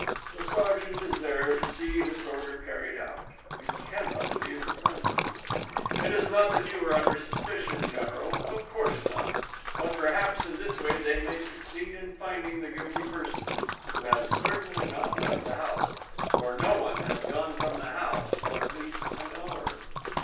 The sergeant is there to see this order carried out: you cannot leave the premises!... It is not that you are under suspicion, General of course not but perhaps in this way they may succeed in finding the guilty person who has certainly not left the house, for no one has gone from the house for at least an hour...."